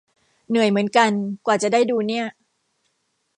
เหนื่อยเหมือนกัน กว่าจะได้ดูเนี่ย